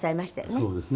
そうですね。